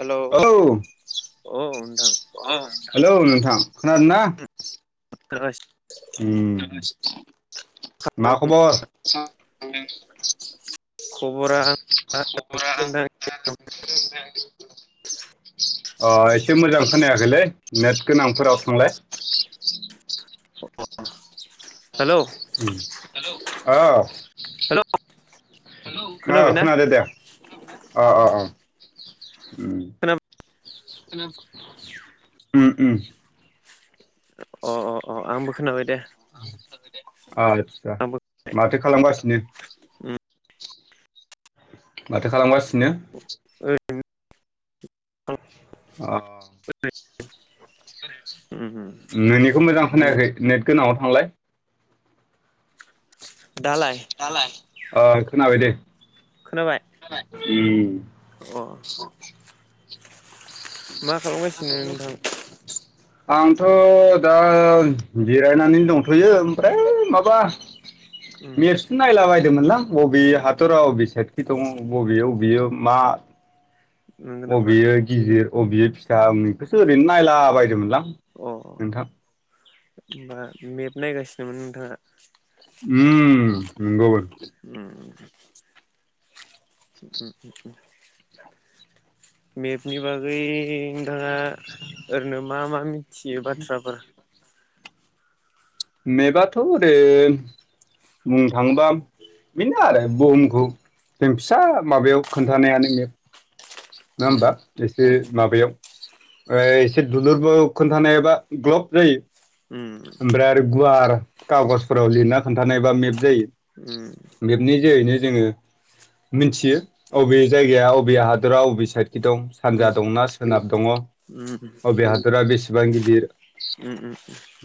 Hello! अ अ hello नोंथां खोनादो ना? खोनागासिनो उम। मा खबर? [unintelligible] खबरा खबरा [unintelligible] नोंथां अ एसे मोजां खोनायाखैलै नेट गोनांफोराव थांलाय। अ हेलौ‌ औ हेलौ हेलौ‌! औ खोनाबायना खोनादो दे। खोनाबायना? अ अ ओम। खोनाबाय खोना [unintelligible] उम उम। अ अ अ आंबो खोनाबाय दे। आदसा माथो खालामगासिनो? उम। माथो खालामगासिनो? ओरैनो अ। नोंनिखौ मोजां खोनायाखै नेट गोनाङाव थांलाय। दालाय अ खोनाबाय दे। खोनाबाय? उम। अ मा खालामगासिनो नोंथां [unintelligible] आंथ दा जिरायनानैनो दंथयो। ओमफ्राय माबा उम मेरसु नायलाबायदोमोनलां। बबे हादरा बबे साइखि दङ बबे बबेयो मा नंगौ नामा बबेयो गिदिर अबेयो फिसा उम इखौसो ओरैनो नायला बायदोंमोनलां। नोंथां। हैमबा मेप नायगासिनोमोन नोंथाङा? उम नोंगौ। उम उम उम उम उम मेपनि बागै नोंथाङा ओरैनो मा मा मिथियो बाथ्राफोर? मेबाथ दे बुंनो थांबा बेनो आरो बुहुमखौ जों फिसा माबायाव खोन्थानायानो मेप। ना उम होमबा? एसे उम माबायाव आइ एसे दुलुरबो खोन्थानायबा ग्लब जायो। ओमफ्राय आरो गुवार कागजफोराव लिरना खोन्थानायबा मेप जायो उम मेपनि जोहैनो जोङो मिन्थियो अबे जायगाया अबे हादरा अबे साइद खि दं उम उम सानजा दंना सोनाब दङ, अबे हादरा बेसेबां गिदिर, ओम ओम।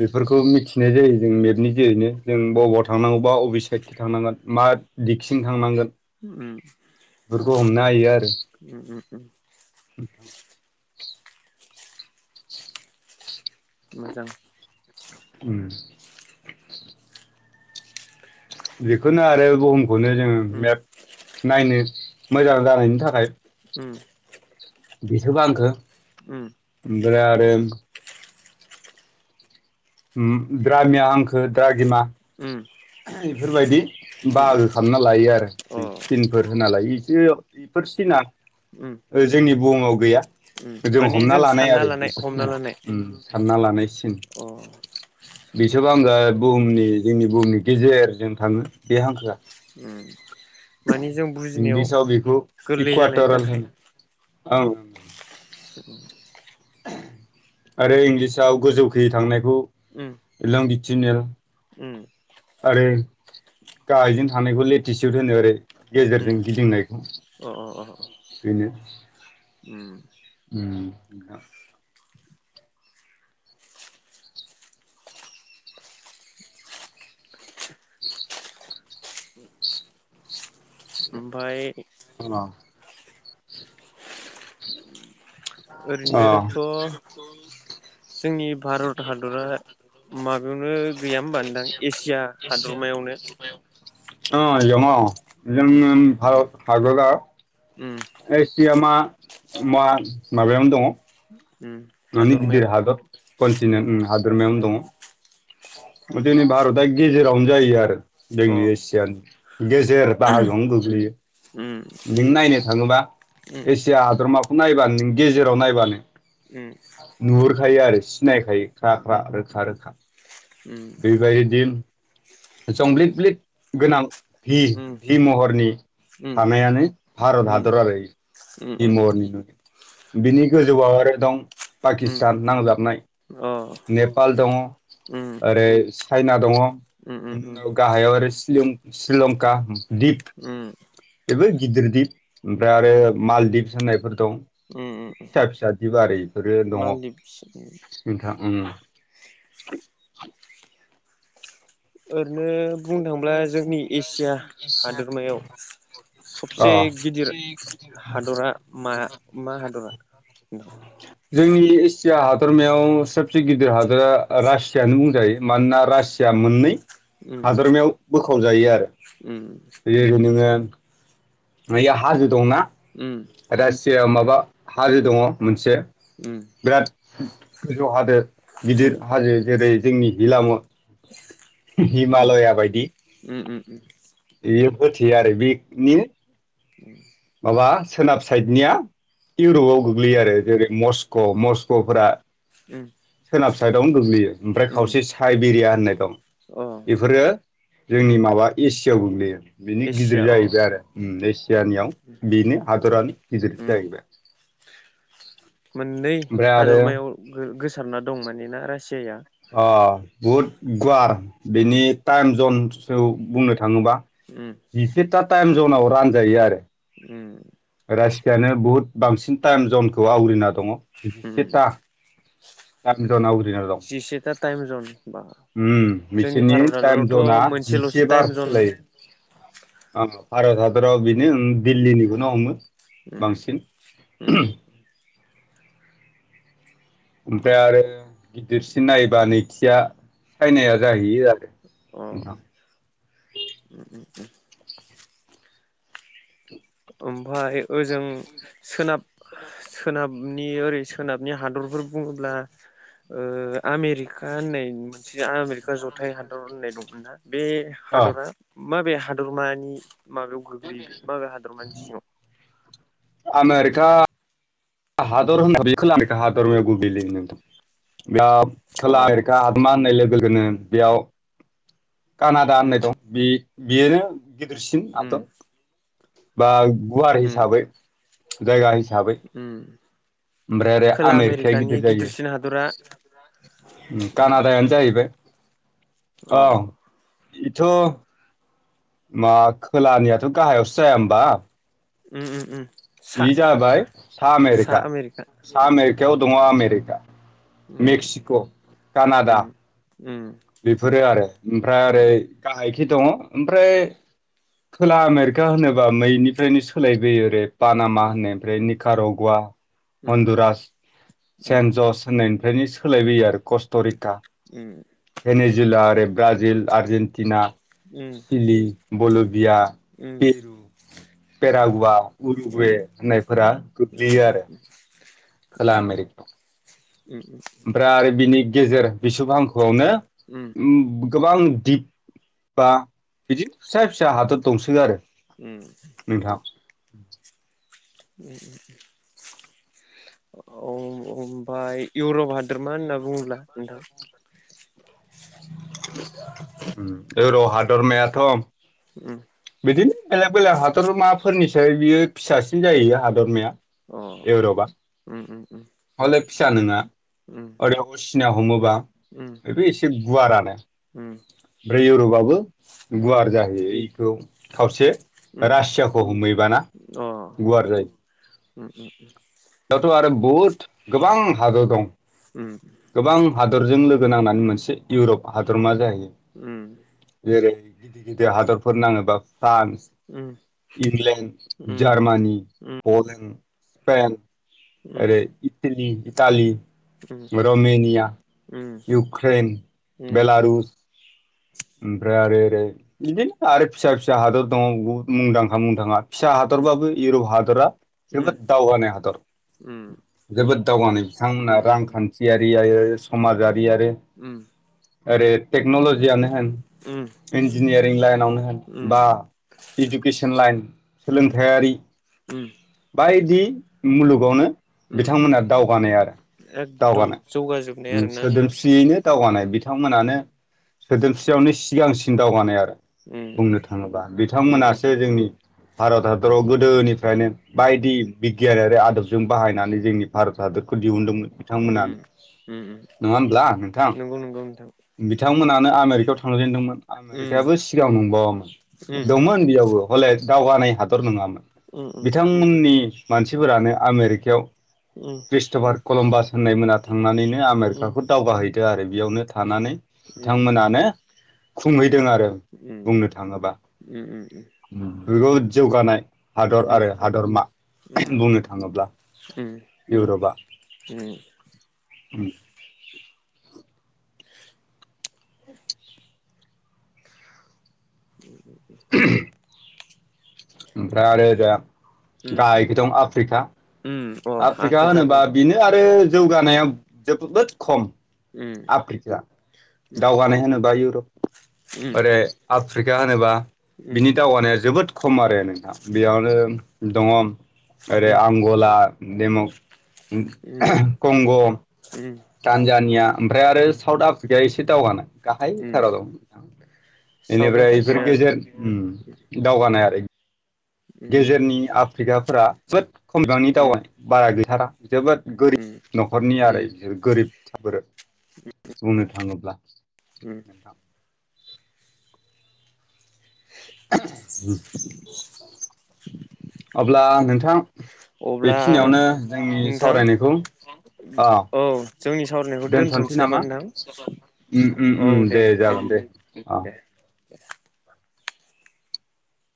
बेफोरखौ मिथिनाय जायो जों मेपनि जेरैनो जों उम बबेबा थांनांगौबा अबे साइदखि थांनांगोन मा दिगसिं थांनांगोन। उम [unintelligible] उम उम उम मोजां उम बेखौनो आरो बुहुमखौनो जोङो उम मेप नायनो मोजां जानायनि थाखाय उम। बिसोब हांखो उम ओमफ्राय आरो द्रामिया हंखो द्राघिमा उम बेफोरबायदि उम उम बाहागो खालामना लायो आरो अ जों सिनफोर होना लायो। बेफोर सिना उम जोंनि ओ बुहुमाव गैया। उम जों माने हमना लानाय सानना आरो बिसोर हमना सिना लानाय उम सानना लानायसिन। [inaudible] बिसुब हांखोआ बुहुमनि जोंनि बुहुमनि गेजेरजों थाङो बे हांखोआ। उम माने जों बुजिनायाव इंलिसाव बेखौ गोरलै जानायनि इकुवाटरेल थाखाय होनो औ। [inaudible] आरो इंलिसाव गोजौखै थांनायखौ उम एलां बिथिनेल उम आरो गाहायजों थानायखौ लेटिसुद होनो आरो गेजेरजों उम गिदिंनायखौ। अ अ अ बिनो उम उम नोंथां ओमफाय अ [inaudible] अ [unintelligible] अ ओरैनोथ' दङ जोंनि भारत हादरा माबायावनो गैया होमबा नोंथां एसिया हादरमायावनो उम उम जों भारत हादराव उम एसिया मा मा माबायावनो दङ। उम [unintelligible] गिदिर हादरमायाव हादर कन्टिनेन्ट उम हादोरमायावनो उम दङ। उम जोंनि भारतआ गेजेरावनो जायो आरो अ जोंनि एसियानि। गेजेर बाहागोआवनो गोग्लैयो। उम नों नायनो थाङोबा उम एसिया हादरमाखौ नायबानो नों गेजेराव नायबानो उम नुहुरखायो आरो सिनायखायो ख्रा ख्रा, रोखा रोखा। बेबायदि जंब्लिब ब्लिब गोनां भि मालदिभ्स भि महरनि थानाय आनो भारत हादर आरो भि महरनि। बिनि गोजौआव आरो दं पाकिस्तान नांजाबनाय। नेपाल दङ ओरै चाइना दङ। [unintelligible] गाहायाव आरो [unintelligible] श्रीलंका दिप। बेबो गिदिर दिप ओमफ्राय आरो मालदीप होननायफोर दं। फिसा फिसा दिप आरो इफोर। बे दङ नोंथां उम। ओरैनो [inaudible] बुंनो थाङोब्ला एसिया जोंनि एसिया हादोरमायाव अ सबसे गिदिर हादरा मा मा हादरा नोंथां? जोंनि एसि या हादरमायाव सबसे गिदिर हादरा रासियानो बुंजायो मानोना रासिया मोननै उम हादरमायाव बोखावजायो आरो। उम जेरै बिदिनो बे हाजो दंना उम रासिया माबा हाजो दङ मोनसे। उम। बिराद गोजौ हाजो उम उम गिदिर हाजो जेरै जोंनि हिलामु उम हिमालया बायदि उम बे होथेयो आरो बेनि [inaudible] माबा सोनाब साइडनिया इउरपआव गोग्लैयो आरो जेरै मस्क मस्कफोरा उम सोनाब साइडआवनो गोग्लैयो ओमफ्राय उम खावसे साइबिरिया होननाय दं। अ बेफोरो जोंनि उम माबा एसियाव गोग्लैयो। बिनि गिदिर एसिया अ जाहैबाय आरो उम एसियानियाव बिनि हादरानो गिदिर उम जायैबाय नै हादरमायाव गोसारना दं मानोना रासियाया अ बहुद गुवार उम बेनि टाइम जन सो बुंनो थाङोबा उम जिसेथा टाइम जनाव रानजायो आरो उम रासियानो बुहुद बांसिन टाइम जनखौ आवग्रिना दङ उम जिसेथा गामि आवग्रिनानै दं जिसेथा टाइम जन ओम जोंनि बिसोरनि भारत टाइम हादरावथ' जना मोनसेल'सो जिसे बार टाइम जन सोलायो औ भारत हादराव बेनो उम दिल्लीनिखौनो हमो उम बांसिन उम ओमफ्राय आरो गिदिरसिन नायोबा नैथिया उम उम चायनाया जाहैयो आरो अ नोंथां ओमफ्राय ओजों सोनाब सोनाबनि ओरै सोनाबनि हादरफोर बुङोब्ला ओ आमेरिका होननाय मोनसे आमेरिका जथाय हादर होननाय दंमोना बे ओ हादरा माबे हादरमानि माबायाव गोग्लैबाय माबे हादरमानि सिङाव आमेरिका हादर खोला हादर गोग्लैयो बेयाव अ खोला आमेरिका हादमा होननाय लोगोनो बेयाव कानादा होननाय उम दं बे बेयोनो गिदिरसिन उम हादर बा गुवार उम हिसाबै जायगा हिसाबै उम ओमफ्राय आरो खोला आमेरिकाया आमेरिकानि गिदिर जायो गिदिरसिन हादरा उम कानादायानो जाहैबाय अ औ इथ' मा खोलानियाथ गाहायावसो जाया होमबा उम उम उम सा बे जाबाय सा आमेरिका सा आमेरिकायाव दङ आमेरिका उम मेक्सिक' कानाडा उम उम बेफोरो आरो ओमफ्राय उम ओरै गाहायखि दङ ओमफ्राय खोला आमेरिका होनोबा मैनिफ्रायनो सोलायबोयो ओरै पानामा उम होननाय ओमफ्राय निकार'गवा उम उम हन्दुराज उम उम सेन्ट जस होननायनिफ्रायनो सोलायबोयो आरो कस्ट'रिक उम एनजिला ओरै ब्राजिल आर्जेेनटिना सिलि, बलबिया, पिरु, पेरागुवा, उरुबे होननायफोरा गोग्लैयो उम आरो खोला आमेरकायाव उम ओमफ्राय आरो बिनि गेजेर बिस हांखोआवनो उम गोबां दिप बा बिदिनो फिसा फिसा हादर दंसो आरो उम नोंथां [inaudible] [inaudible] ओमफ्राय इउरप हादरमा होनना बुङोब्ला नोंथां [inaudible] इउरप हादरमायाथ उम बिदिनो बेलेक बेलेक हादरमाफोरनिसाय बियो फिसासिन जायो हादरमाया अ इउरपआ उ उ उ हले फिसा नङा ओरैयावबो सिना हमोबा उम बेबो एसे गुवारानो उम ओमफ्राय इउरपआबो उम गुवार जाहैयो बेखौ खावसे उम रासियाखौ हमहैबाना अ गुवार जायो। उम उम बेयावथ' आरो बहुद गोबां हादर दं उम गोबां हादरजों लोगो नांनानै मोनसे इउरप हादरमा जाहै जेरै गिदिर गिदिर हादरफोर नाङोबा फ्रान्स, उम इंलेण्ड, उम जार्मानि, पलेण्ड, स्पेन उम उम ओरै Italy Italy Romania, Ukraine, Belarus, ओमफ्राय आरो ओरै बिदिनो आरो फिसा-फिसा हादर दङ' बुहुद मुंदांखा-मुंदांखा फिसा हादरबाबो इउरप हादरा जोबोद दावगानाय हादर जोबोद दावगानाय बिथांमोना रांखान्थियारियै समाजारि आरो आरो टेक्नलजियानो होन इन्जिनियारिं लाइनावनो होन बा इडुकेसन लाइन सोलोंथायारि उम बायदि मुलुगावनो बिथांमोना दावगानाय आरो एकदम दावगानाय जौगाजोबनाय आरोना नोंथां सोदोमस्रियैनो दावगानाय उम बिथांमोनानो सोदोमस्रियावनो सिगांसिन दावगानाय आरो। उम बुंनो थाङोबा उम उम बिथांमोनासो जोंनि भारत हादराव गोदोनिफ्रायनो बायदि बिगियान आरो आदबजों बाहायनानै जोंनि भारत हादरखौ दिहुनदोंमोन। उम बिथांमोनानो उम उम नङा होमब्ला नोंथां नंगौ नंगौ नोंथां। बिथांमोनानो आमेरिकायाव थांजेनदोंमोन उम आमेरिकायाबो सिगां नंबावामोन उम दंमोन बेयावबो। हले दावगानाय हादर नोङामोन। उम उम बिथांमोननि मानसिफोरानो आमेरिकायाव क्रिस्ट'भार कलम्बास होननाय मोना थांनानैनो आमेरिकाखौ दावगाहैदो आरो बेयावनो थानानै बिथांमोनानो खुङै दों आरो बुंनो थाङोबा उम जोबोद जौगानाय हादर आरो हादरमा बुंनो थाङोब्ला उम उ उ उ ओमफ्राय आरो दा उम गाहायखै दं आफ्रिका। उम अ आफ्रिका होनोबा दं बेनो आरो जौगानाया जोबोद खम उम आफ्रिकाया। उम दावगानाय होनोबा इउरप उम ओरै आफ्रिका होनोबा उम बिनि दावगानाया जोबोद खम आरो नोंथां बेयावनो दङ' ओरै उम आंगला देमक उम कंग', तानजानिया ओमफ्राय आरो साउथ आफ्रिकाया एसे दावगानाय उम गाहायथाराव दं साउथ बेनिफ्राय बेफोर आफ्रिकाया गेजेर उम दावगानाय आरो उम गेजेरनि आफ्रिकाफोरा जोबोद खमबांनि उम दावगानाय। बारा गैथारा। जोबोद उम गोरिब न'खरनि उम आरो बिसोर गोरिबफोर बुंनो थाङोब्ला उम नोंथां। अब्ला नोंथां अब्ला बेखिनियावनो जोंनि नोंथां सावरायनायखौ औ दोनथ'नोसै नामा? उम उम उम दे जागोन दे अ दे [unintelligible]